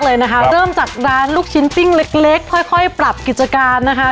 รับจากร้านลูกชิ้นปิ้งเล็กค่อยปรับกิจการนะคะ